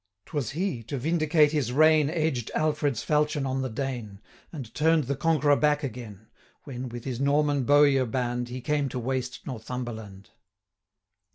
'Twas he, to vindicate his reign, Edged Alfred's falchion on the Dane, And turn'd the Conqueror back again, 295 When, with his Norman bowyer band, He came to waste Northumberland.